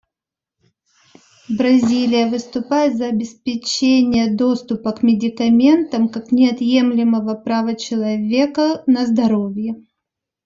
Бразилия выступает за обеспечение доступа к медикаментам как неотъемлемого права человека на здоровье.